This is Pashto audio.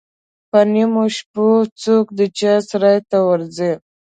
پر نیمو شپو څوک د چا سرای ته ورځي.